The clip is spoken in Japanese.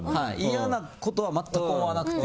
嫌なことは全く思わなくて。